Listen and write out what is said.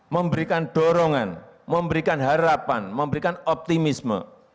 memberikan dorongan memberikan harapan memberikan optimisme